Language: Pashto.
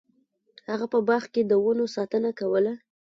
هغه په باغ کې د ونو ساتنه کوله.